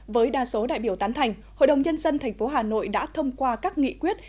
với đa số đại biểu tán thành hội đồng nhân dân tp hà nội đã thông qua các nghị quyết